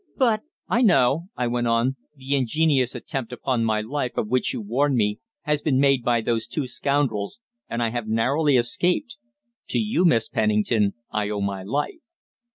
"But " "I know," I went on, "the ingenious attempt upon my life of which you warned me has been made by those two scoundrels, and I have narrowly escaped. To you, Miss Pennington, I owe my life."